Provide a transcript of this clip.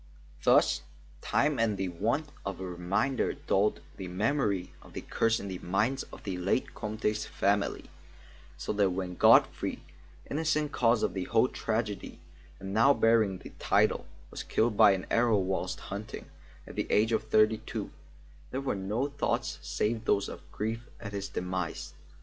Thus time and the want of a reminder dulled the memory of the curse in the minds of the late Comte's family, so that when Godfrey, innocent cause of the whole tragedy and now bearing the title, was killed by an arrow whilst hunting, at the age of thirty two, there were no thoughts save those of grief at his demise.